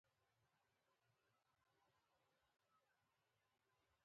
ځان پېژندنه.